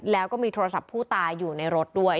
แล้วก็มีโทรศัพท์ผู้ตายอยู่ในรถด้วย